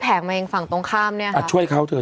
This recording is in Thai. เป็นการกระตุ้นการไหลเวียนของเลือด